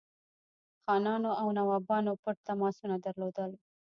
خانانو او نوابانو پټ تماسونه درلودل.